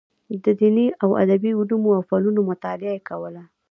د دیني او ادبي علومو او فنونو مطالعه یې کوله.